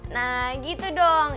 nah gitu dong